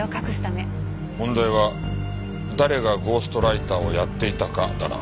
問題は誰がゴーストライターをやっていたかだな。